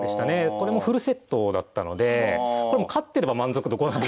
これもフルセットだったのでこれも勝ってれば満足度５なんですけど。